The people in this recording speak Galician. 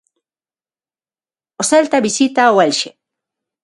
O Celta visita o Elxe.